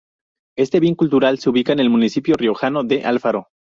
Este bien cultural se ubica en el municipio riojano de Alfaro.